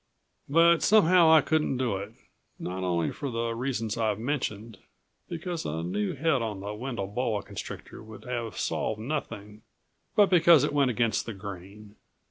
But somehow I couldn't do it. Not only for the reasons I've mentioned ... because a new head on the Wendel boa constrictor would have solved nothing ... but because it went against the grain.